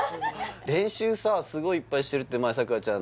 練習さすごいいっぱいしてるって前さくらちゃん